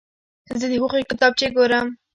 زه د هغوی کتابچې ګورم.